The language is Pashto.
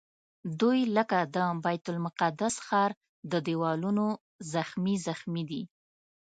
دوی لکه د بیت المقدس ښار د دیوالونو زخمي زخمي دي.